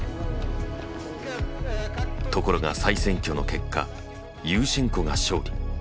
ところが再選挙の結果ユーシェンコが勝利。